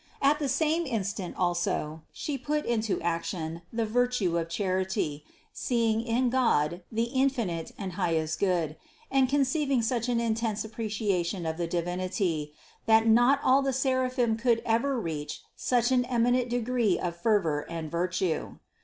At the same instant also She put into action the virtue of charity, seeing in God the infinite and highest Good, and conceiving such an intense ap preciation of the Divinity, that not all the seraphim could ever reach such an eminent degree of fervor and virtue.